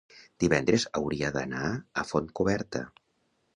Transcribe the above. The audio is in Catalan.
divendres hauria d'anar a Fontcoberta.